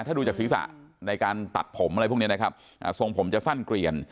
ถ้าดูจากศีรษะในการตัดผมอะไรพวกนี้นะครับทรงผมจะสั้นเกลียน